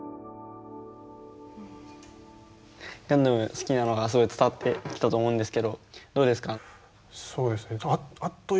好きなのがすごい伝わってきたと思うんですけどどうですか？